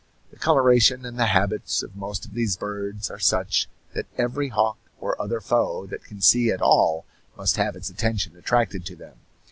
The coloration and the habits of most of these birds are such that every hawk or other foe that can see at all must have its attention attracted to them.